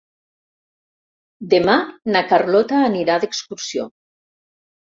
Demà na Carlota anirà d'excursió.